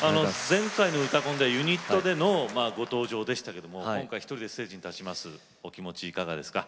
前回の「うたコン」ではユニットでのご登場でしたけど今回、一人でステージに立ちますお気持ち、いかがですか？